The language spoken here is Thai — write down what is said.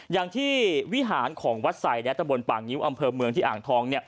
อย่างที่วิหารของวัดใส่ในตะบนป่างิ้วอำเภอเมืองที่อ่างทอง